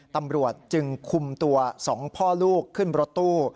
ตำรวจจึงคุมตัว๒พ่อลูกขึ้นรถตู้